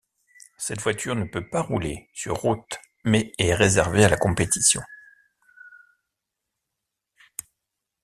Cette voiture ne peut pas rouler sur route mais est réservée à la compétition.